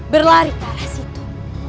berlari ke arah situ